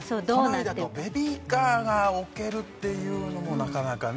都内だとベビーカーが置けるっていうのもなかなかね